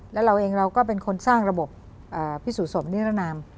แล้วเราเองเราก็เป็นคนสร้างระบบพิสูจนสมนิรนาม